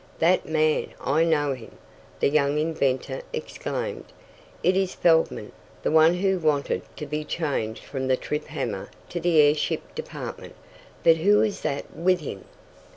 "That man I know him!" the young inventor exclaimed. "It is Feldman the one who wanted to be changed from the trip hammer to the airship department. But who is that with him?"